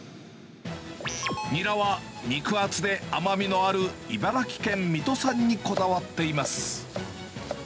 ニラは肉厚で甘みのある茨城県水戸産にこだわっています。